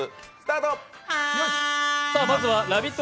まずはラヴィット！